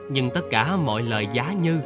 nhưng tất cả mọi lời giá như